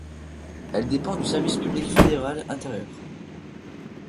Elle dépend du service public fédéral Intérieur.